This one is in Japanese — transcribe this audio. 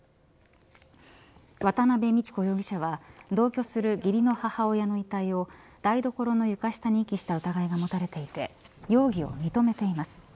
渡辺美智子容疑者は同居する義理の母親の遺体を台所の床下に遺棄した疑いが持たれていて容疑を認めています。